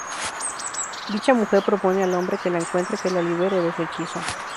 Dicha mujer propone al hombre que la encuentra que la libere de su hechizo.